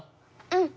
うん。